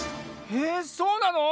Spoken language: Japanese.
へえそうなの？